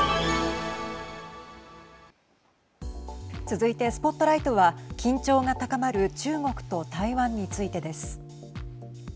続いてＳＰＯＴＬＩＧＨＴは緊張が高まる中国と台湾についてです。